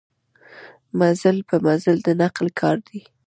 مزل پر مزل د نقل کار دی.